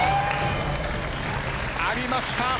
ありました。